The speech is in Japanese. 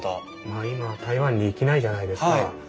まあ今台湾に行けないじゃないですか。